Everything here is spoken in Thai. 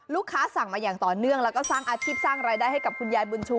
สั่งมาอย่างต่อเนื่องแล้วก็สร้างอาชีพสร้างรายได้ให้กับคุณยายบุญชู